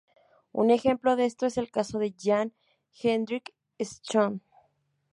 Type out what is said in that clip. Un ejemplo de esto es el caso de Jan Hendrik Schön.